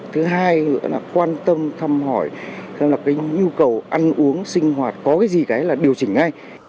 thứ hai nữa là quan tâm thăm hỏi xem là cái nhu cầu ăn uống sinh hoạt có cái gì cái là điều chỉnh ngay